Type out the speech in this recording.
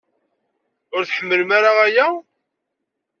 Ur tḥemmlem ara aya?